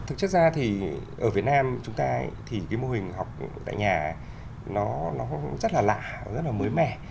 thực chất ra thì ở việt nam chúng ta thì cái mô hình học tại nhà nó rất là lạ và rất là mới mẻ